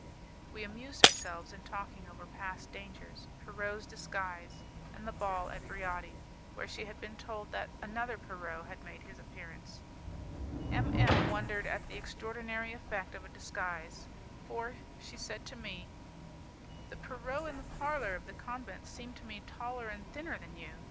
We amused ourselves in talking over past dangers, Pierrot's disguise, and the ball at Briati, where she had been told that another Pierrot had made his appearance. M M wondered at the extraordinary effect of a disguise, for, said she to me: "The Pierrot in the parlour of the convent seemed to me taller and thinner than you.